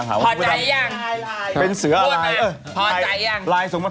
พอใจยัง